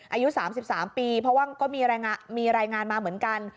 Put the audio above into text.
อายุ๓๓ปีเพราะว่าก็มีรายงานมาเหมือนกัน